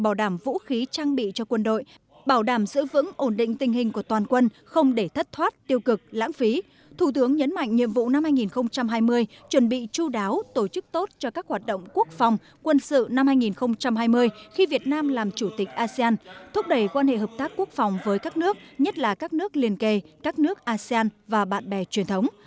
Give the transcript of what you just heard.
bảo đảm vũ khí trang bị cho quân đội bảo đảm giữ vững ổn định tình hình của toàn quân không để thất thoát tiêu cực lãng phí thủ tướng nhấn mạnh nhiệm vụ năm hai nghìn hai mươi chuẩn bị chú đáo tổ chức tốt cho các hoạt động quốc phòng quân sự năm hai nghìn hai mươi khi việt nam làm chủ tịch asean thúc đẩy quan hệ hợp tác quốc phòng với các nước nhất là các nước liên kề các nước asean và bạn bè truyền thống